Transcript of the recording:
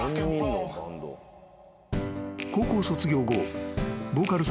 ［高校卒業後］